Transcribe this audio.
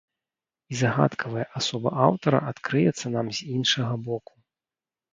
І загадкавая асоба аўтара адкрыецца нам з іншага боку.